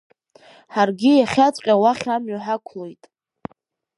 Ҳаргьы иахьаҵәҟьа уахь амҩа ҳақәлоит.